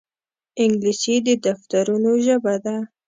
انګلیسي د دفترونو ژبه ده